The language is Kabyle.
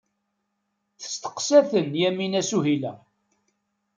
Testeqsa-ten Yamani Suhila.